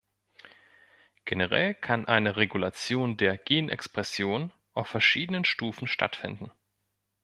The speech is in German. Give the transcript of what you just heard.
Generell kann eine Regulation der Genexpression auf verschiedenen Stufen stattfinden.